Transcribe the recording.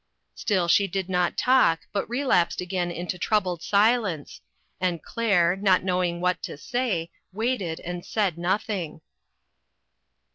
Still she did not talk, but relapsed again into troubled silence, and Claire, not know ing what to say, waited, and said nothing.